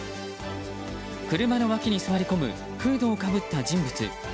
車の脇に座り込むフードをかぶった人物。